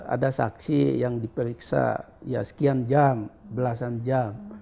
ada saksi yang diperiksa ya sekian jam belasan jam